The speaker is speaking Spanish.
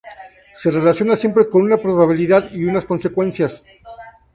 Se relacionan siempre con una probabilidad y unas consecuencias.